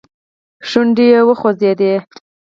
شونډې وخوځېدې.